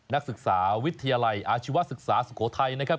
นักศึกษาวิทยาลัยอาชีวศึกษาสุโขทัยนะครับ